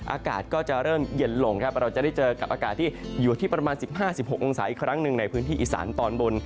อากาศก็จะเริ่มเย็นลงครับเราจะได้เจอกับอากาศที่อยู่ที่ประมาณ๑๕๑๖องศาอีกครั้งหนึ่งในพื้นที่อีสานตอนบน